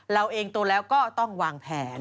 เราเองโตแล้วก็ต้องวางแผน